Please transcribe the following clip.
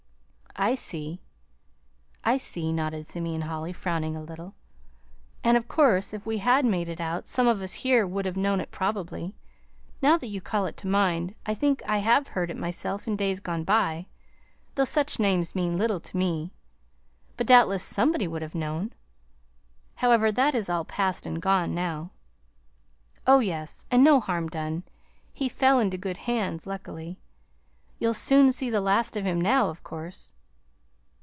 "I see, I see," nodded Simeon Holly, frowning a little. "And of course if we had made it out, some of us here would have known it, probably. Now that you call it to mind I think I have heard it myself in days gone by though such names mean little to me. But doubtless somebody would have known. However, that is all past and gone now." "Oh, yes, and no harm done. He fell into good hands, luckily. You'll soon see the last of him now, of course."